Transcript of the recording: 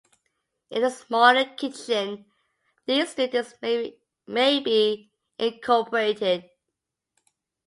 In a smaller kitchen, these duties may be incorporated.